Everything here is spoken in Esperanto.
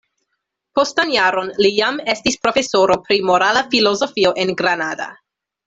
Postan jaron li jam estis profesoro pri morala filozofio en Granada.